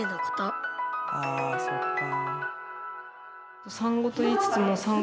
あそっか。